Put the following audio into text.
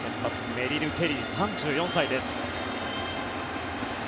メリル・ケリー、３４歳です。